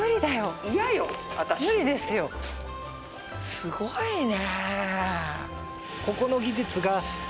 すごいね。